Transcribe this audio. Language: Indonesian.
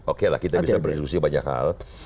oke lah kita bisa berdiskusi banyak hal